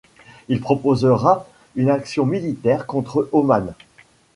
Il proposera une action militaire contre Oman.